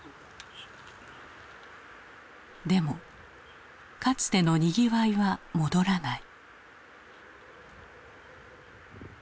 でもかつてのにぎわいは戻らない。